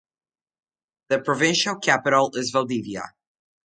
The provincial capital is Valdivia.